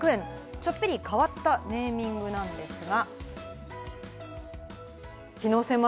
ちょっぴり変わったネーミングなんですが。